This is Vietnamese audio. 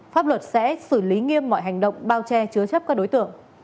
pháp luật sẽ xử lý nghiêm mọi hành động bao che chứa chấp các đối tượng